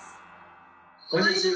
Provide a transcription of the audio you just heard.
こんにちは。